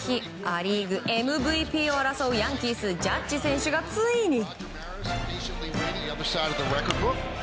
ア・リーグＭＶＰを争うヤンキースジャッジ選手がついに。